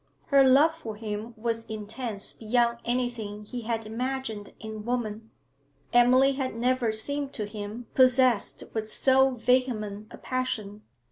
Her love for him was intense beyond anything he had imagined in woman; Emily had never seemed to him possessed with so vehement a passion.